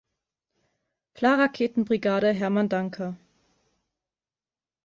Fla-Raketenbrigade „Hermann Duncker“.